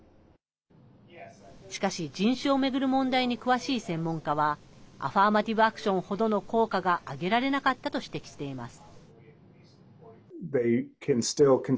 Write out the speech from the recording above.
しかし、人種を巡る問題に詳しい専門家はアファーマティブ・アクションほどの効果が上げられなかったと指摘しています。